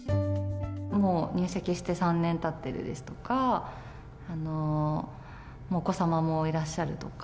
もう入籍して３年たってるですとか、もうお子様もいらっしゃるとか。